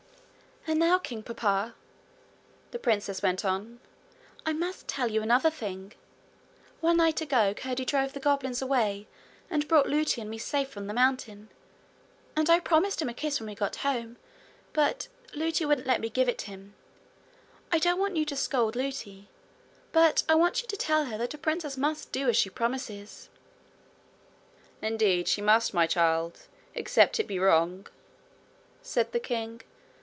'And now, king papa,' the princess went on, 'I must tell you another thing. One night long ago Curdie drove the goblins away and brought Lootie and me safe from the mountain. And I promised him a kiss when we got home, but Lootie wouldn't let me give it him. I don't want you to scold Lootie, but I want you to tell her that a princess must do as she promises.' 'Indeed she must, my child except it be wrong,' said the king.